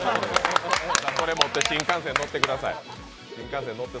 それ持って新幹線乗ってください。